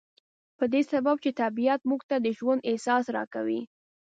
په دې سبب چې طبيعت موږ ته د ژوند احساس را کوي.